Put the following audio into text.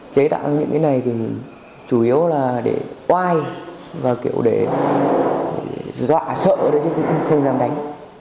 chế tạo những cái này thì chủ yếu là để oai và kiểu để dọa sợ đến những không dám đánh